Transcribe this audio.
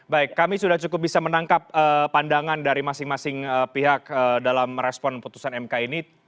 baik kami sudah cukup bisa menangkap pandangan dari masing masing pihak dalam respon putusan mk ini